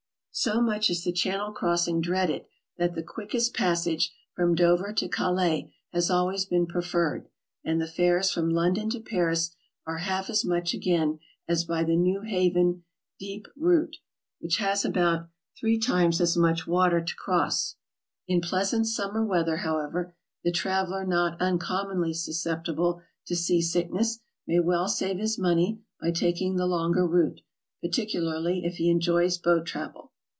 So much is the Channel crossing dreaded that the quick est passage, from Dover to Calais, has always 'been preferred, and the fares from London to Paris are half as mudh again as by the Newhaven Dieppe route, which 'has about three times as much water to cross. In pleasant summer weather, 'however, the traveler not uncommonly susceptible to sea sickness may well save his money by taking the longer route, particularly if he enjoys boat travel.